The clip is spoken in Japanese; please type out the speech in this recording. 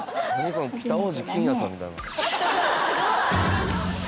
この北大路欣也さんみたいの。